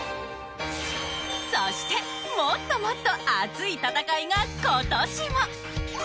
そしてもっともっと熱い戦いが今年も。